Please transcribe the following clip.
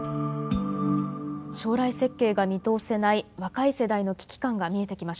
将来設計が見通せない若い世代の危機感が見えてきました。